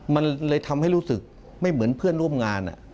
มันเลยทำให้รู้สึกไม่เหมือนเพื่อนร่วมงาน